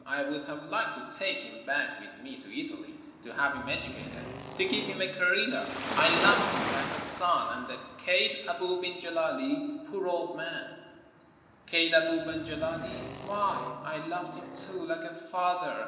I would have liked to take him back with me to Italy, to have him educated, to give him a career. I loved him like a son. And the kaid, Abou ben Gileli, poor old man. Kaid Abou ben Gileli? Why, I loved him too, Kke a father.